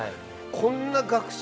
こんな学者